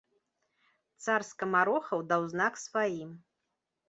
Цар скамарохаў даў знак сваім.